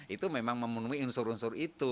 itu memang memenuhi unsur unsur itu